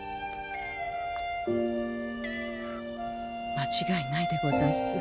間違いないでござんす。